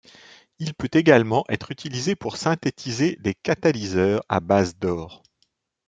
Il peut également être utilisé pour synthétiser des catalyseurs à base d'or.